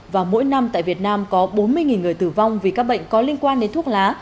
và mỗi năm tại việt nam có bốn mươi người tử vong vì các bệnh có liên quan đến thuốc lá